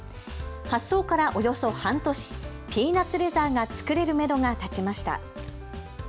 発想からおよそ半年、ピーナツレザーがつくれるめどが立ちました。